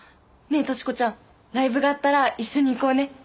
ねえ淑子ちゃんライブがあったら一緒に行こうね。